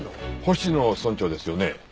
星野村長ですよね？